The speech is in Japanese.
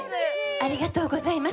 ありがとうございます。